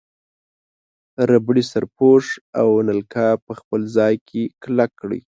ربړي سرپوښ او نلکه په خپل ځای کې کلک کړئ.